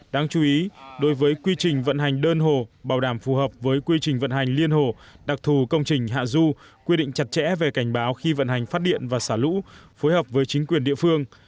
đáng chú ý đối với quy trình vận hành đơn hồ bảo đảm phù hợp với quy trình vận hành liên hồ đặc thù công trình hạ du quy định chặt chẽ về cảnh báo khi vận hành phát điện và xả lũ phối hợp với chính quyền địa phương